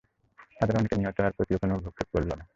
তাদের অনেকে নিহত হওয়ার প্রতিও কোন ভ্রুক্ষেপ করল না।